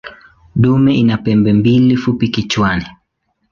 Dume ina pembe mbili fupi kichwani.